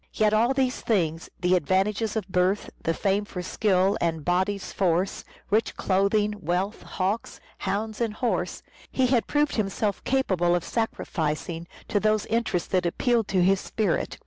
Yet all these things, the advantages of birth, the fame for skill and "body's force," rich clothing, wealth, hawks, hounds and horses, he had proved himself capable of sacrificing to those interests that appealed to his spirit.